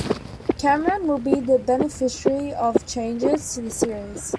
Cameron will be the beneficiary of changes to the series.